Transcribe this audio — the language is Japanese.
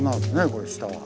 これ下は。